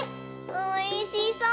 おいしそう！